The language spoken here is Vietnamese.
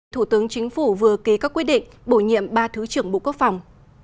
thủ tướng chính phủ vừa ký các quyết định bổ nhiệm ba thứ trưởng bộ quốc phòng